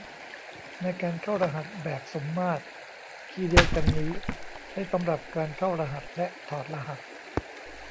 ในการเข้ารหัสแบบสมมาตรคีย์เดียวกันนี้ใช้สำหรับการเข้ารหัสและถอดรหัส